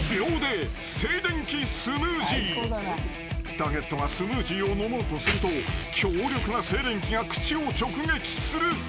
［ターゲットがスムージーを飲もうとすると強力な静電気が口を直撃するというドッキリ］